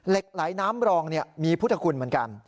เหล็กไหลน้ำรองมีพุทธคุณเหมือนกัน